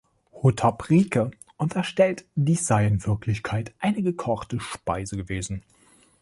Hotopp-Riecke unterstellt, dies sei in Wirklichkeit eine gekochte Speise gewesen.